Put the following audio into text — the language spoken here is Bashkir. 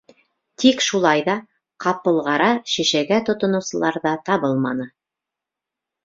Тик шулай ҙа... ҡапылғара шешәгә тотоноусылар ҙа табылманы.